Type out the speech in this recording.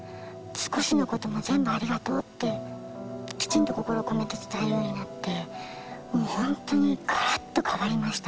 少しのことも全部ありがとうってきちんと心を込めて伝えるようになってもうほんとにガラッと変わりました。